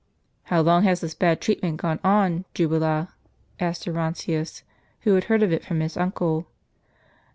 "How long has this bad treatment gone on, Jubala?" asked Orontius, who had heard of it from his uncle.